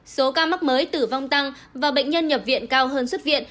số ca mắc mới tử vong tăng và bệnh nhân nhập viện cao hơn xuất viện